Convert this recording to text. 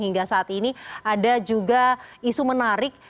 hingga saat ini ada juga isu menarik